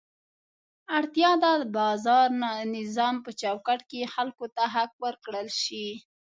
اړتیا ده د بازار نظام په چوکاټ کې خلکو ته حق ورکړل شي.